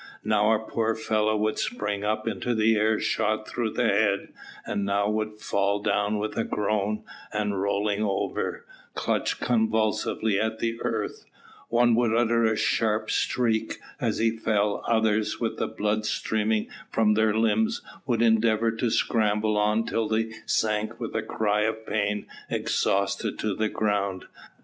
Now a poor fellow would spring up into the air shot through the head, and now would fall down with a groan, and rolling over, clutch convulsively at the earth; one would utter a sharp shriek as he fell; others, with the blood streaming from their limbs, would endeavour to scramble on till they sank with a cry of pain exhausted to the ground.